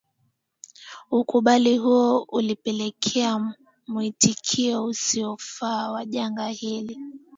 ukubali huo ulipelekea mwitikio usiyofaa wa janga hili